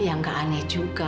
ya nggak aneh juga